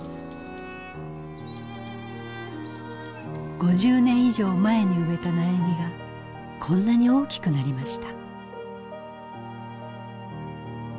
５０年以上前に植えた苗木がこんなに大きくなりました。